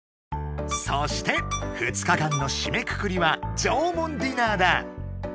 そして２日間のしめくくりは縄文ディナーだ！